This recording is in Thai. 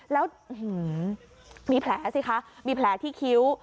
แล้วมีแผลสิคะมีแผลที่คิ้ว